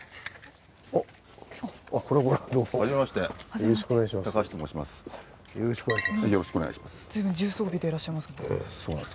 よろしくお願いします。